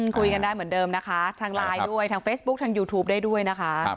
คุยกันได้เหมือนเดิมนะคะทางไลน์ด้วยทางเฟซบุ๊คทางยูทูปได้ด้วยนะคะ